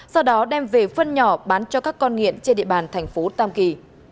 sau đó đem về phân nhỏ bán cho các con nghiện trên địa bàn thành phố tam kỳ